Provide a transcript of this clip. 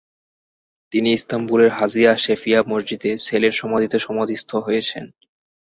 তিনি ইস্তাম্বুলের হাজিয়া সোফিয়া মসজিদে ছেলের সমাধিতে সমাধিস্থ হয়েছেন।